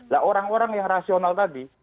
nah orang orang yang rasional tadi